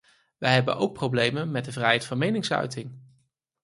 Wij hebben ook problemen met de vrijheid van meningsuiting.